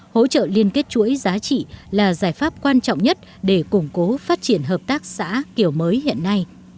hỗ trợ liên kết chuỗi giá trị là giải pháp quan trọng nhất để củng cố phát triển hợp tác xã kiểu mới hiện nay